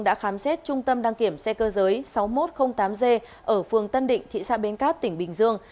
đã khám xét trung tâm đăng kiểm xe cơ giới sáu nghìn một trăm linh tám g ở phường tân định thị xã bến cát tỉnh bình dương